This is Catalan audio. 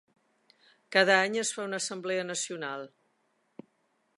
Cada any es fa una assemblea nacional.